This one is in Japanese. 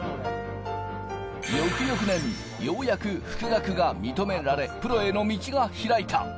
翌々年、ようやく復学が認められ、プロへの道が開いた。